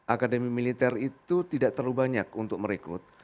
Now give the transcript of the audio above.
akademi militer itu tidak terlalu banyak untuk merekrut